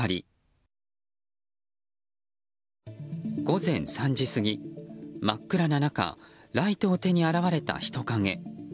午前３時過ぎ、真っ暗な中ライトを手に現れた人影。